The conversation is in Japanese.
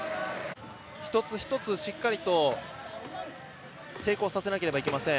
一つ一つ、しっかりと成功させなくてはなりません。